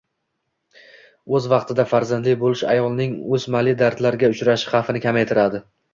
O‘z vaqtida farzandli bo‘lish ayolning o‘smali dardlarga uchrashi xavfini kamaytiradi.